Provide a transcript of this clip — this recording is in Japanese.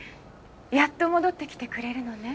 やっと戻ってきてくれるのね？